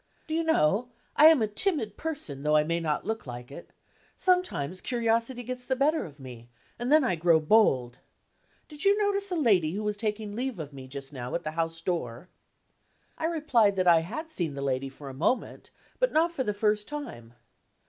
"Do you know, I am a timid person, though I may not look like it. Sometimes, curiosity gets the better of me and then I grow bold. Did you notice a lady who was taking leave of me just now at the house door?" I replied that I had seen the lady for a moment, but not for the first time.